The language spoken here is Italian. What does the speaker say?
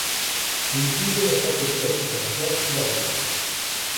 Il video è stato diretto da Josh Logue.